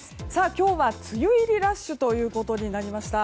今日は梅雨入りラッシュということになりました。